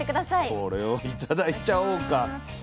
これを頂いちゃおうか。